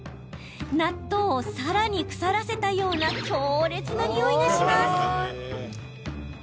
納豆を、さらに腐らせたような強烈なにおいがします。